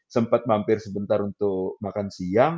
sempat mampir sebentar untuk makan siang